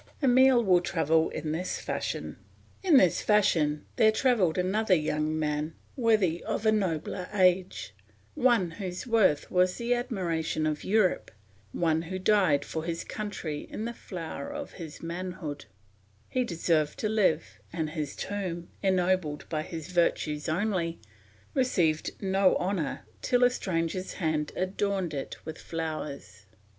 Emile will travel in this fashion; in this fashion there travelled another young man, worthy of a nobler age; one whose worth was the admiration of Europe, one who died for his country in the flower of his manhood; he deserved to live, and his tomb, ennobled by his virtues only, received no honour till a stranger's hand adorned it with flowers.